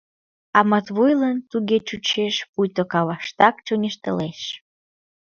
А Матвуйлан туге чучеш, пуйто каваштак чоҥештылеш.